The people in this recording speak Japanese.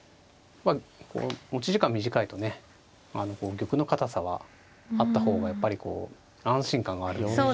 持ち時間短いとね玉の堅さはあった方がやっぱりこう安心感があるんで。